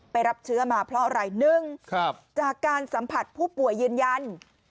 รับเชื้อมาเพราะอะไร๑จากการสัมผัสผู้ป่วยยืนยัน